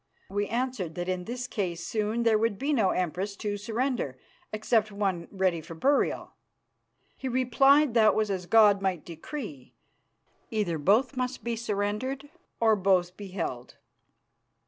We answered that in this case soon there would be no Empress to surrender except one ready for burial. He replied that was as God might decree; either both must be surrendered or both be held."